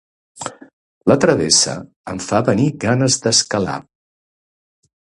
La Travessa em fa venir ganes d'escalar.